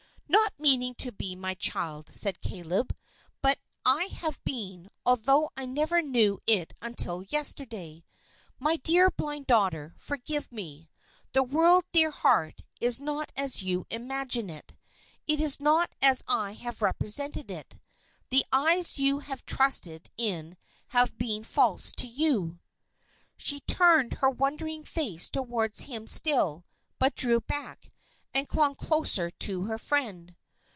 "Not meaning to be, my child," said Caleb, "but I have been, although I never knew it until yesterday. My dear blind daughter, forgive me. The world, dear heart, is not as you imagine it. It is not as I have represented it. The eyes you have trusted in have been false to you." She turned her wondering face toward him still, but drew back, and clung closer to her friend.